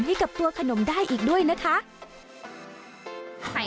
ไปรู้เยอะด้วยครู